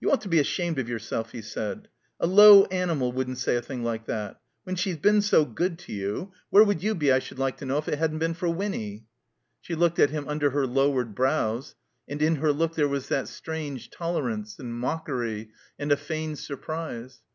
"You ought to be ashamed of yourself," he said. "A low animal wouldn't say a thing like that. When she's been so good to you! Where would THE COMBINED MAZE you be, I should like to know, if it hadn't been for Winny?" She looked at him under her lowered brows; and in her look there was that strange tolerance, and mockery, and a feigned surprise.